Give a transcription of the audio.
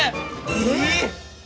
えっ！